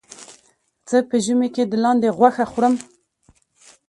زه په ژمي کې د لاندې غوښه خورم.